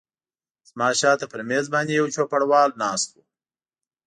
زما شاته پر مېز باندې یو چوپړوال ناست و.